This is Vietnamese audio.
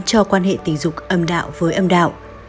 cho quan hệ tình dục âm đạo với âm đạo